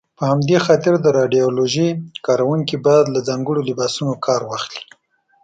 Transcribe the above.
په همدې خاطر د راډیالوژۍ کاروونکي باید له ځانګړو لباسونو کار واخلي.